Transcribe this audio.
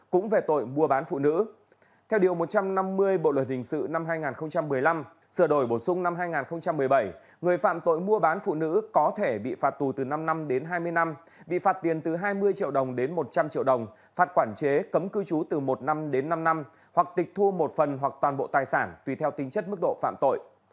cũng về tội mua bán phụ nữ theo điều một trăm năm mươi bộ luật hình sự năm hai nghìn một mươi năm sửa đổi bổ sung năm hai nghìn một mươi bảy người phạm tội mua bán phụ nữ có thể bị phạt tù từ năm năm đến hai mươi năm bị phạt tiền từ hai mươi triệu đồng đến một trăm linh triệu đồng phạt quản chế cấm cư trú từ một năm đến năm năm hoặc tịch thu một phần hoặc toàn bộ tài sản tùy theo tính chất mức độ phạm tội